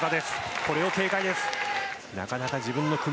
これを警戒です。